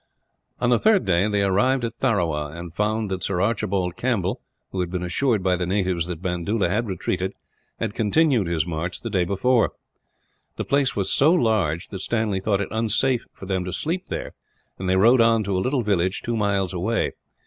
On the third day they arrived at Tharawa, and found that Sir A. Campbell, who had been assured by the natives that Bandoola had retreated, had continued his march the day before. The place was so large that Stanley thought it unsafe for them to sleep there, and they rode on to a little village, two miles away.